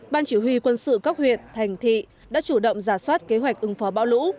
ban chỉ huy quân sự các huyện thành thị đã chủ động giả soát kế hoạch ứng phó bão lũ